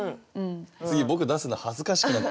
次僕出すの恥ずかしくなってきたな。